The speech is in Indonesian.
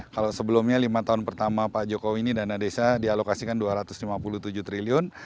kalau sebelumnya lima tahun pertama pak jokowi ini dana desa dialokasikan dua ratus lima puluh tujuh triliun